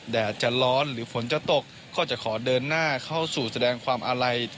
แดดจะร้อนหรือฝนจะตกก็จะขอเดินหน้าเข้าสู่แสดงความอาลัย